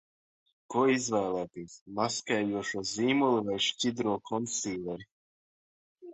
Ko izvēlēties: maskējošo zīmuli vai šķidro konsīleri?